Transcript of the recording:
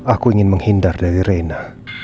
aku ingin menghindar dari reina